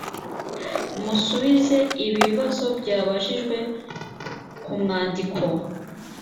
musubize ibi bibazo byabajijwe ku mwandiko